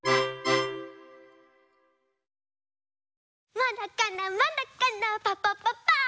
まだかなまだかなパパパパーン！